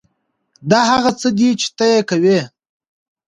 دا هغه څه دي چې ته یې کوې